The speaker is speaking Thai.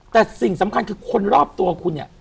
แต่สิ่งสำคัญคือคนรอบตัวคุณเนี่ย